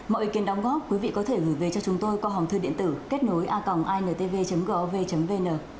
mọi ý kiến đóng góp quý vị có thể gửi về cho chúng tôi qua hòm thư điện tử kết nối a g intv gov vn